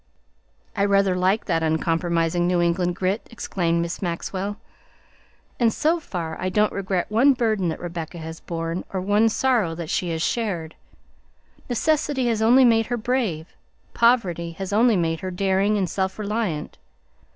"I rather like that uncompromising New England grit," exclaimed Miss Maxwell, "and so far, I don't regret one burden that Rebecca has borne or one sorrow that she has shared. Necessity has only made her brave; poverty has only made her daring and self reliant.